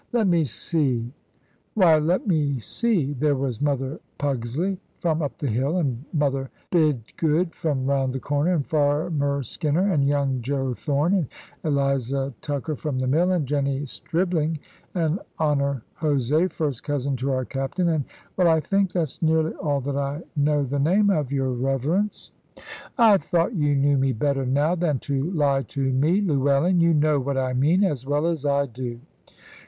Let me see why, let me see there was Mother Pugsley from up the hill, and Mother Bidgood from round the corner, and Farmer Skinner, and young Joe Thorne, and Eliza Tucker from the mill, and Jenny Stribling, and Honor Jose, first cousin to our captain, and well I think that's nearly all that I know the name of, your Reverence." "I thought you knew me better now than to lie to me, Llewellyn. You know what I mean as well as I do."